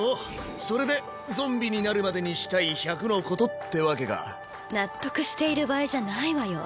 それで「ゾンビになるまでにしたい１００のこと」ってわけか納得している場合じゃないわよ